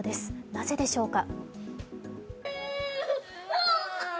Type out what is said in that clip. なぜでしょうか。